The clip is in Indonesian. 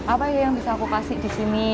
apa ya yang bisa aku kasih di sini